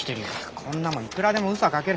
こんなもんいくらでもうそが描ける。